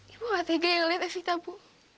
ibu gak tega yang liat evita bu